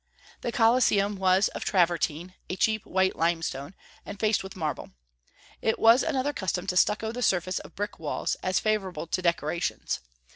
The Colosseum was of travertine, a cheap white limestone, and faced with marble. It was another custom to stucco the surface of brick walls, as favorable to decorations.